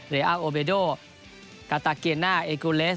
เรอร์โอเบโดกาตาเกียนาเอคุฬเลส